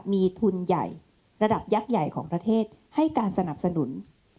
มีทุนใหญ่ระดับยักษ์ใหญ่ของประเทศให้การสนับสนุน